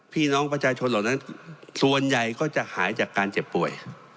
พี่น้องประชาชนเหล่านั้นส่วนใหญ่ก็จะหายจากการเจ็บป่วย